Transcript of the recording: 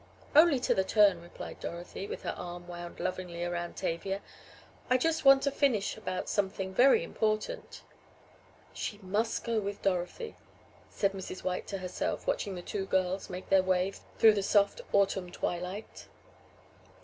"Only to the turn," replied Dorothy, with her arm wound lovingly around Tavia, "I just want to finish about something very important." "She must go with Dorothy," said Mrs. White to herself, watching the two girls make their way through the soft autumn twilight.